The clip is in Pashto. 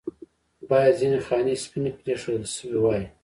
باید ځنې خانې سپینې پرېښودل شوې واې.